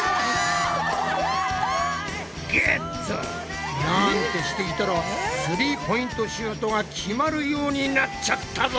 ゲッツ！なんてしていたらスリーポイントシュートが決まるようになっちゃったぞ！